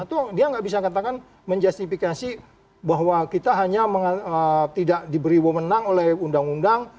atau dia nggak bisa katakan menjustifikasi bahwa kita hanya tidak diberi wamenang oleh undang undang